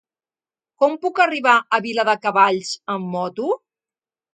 Com puc arribar a Viladecavalls amb moto?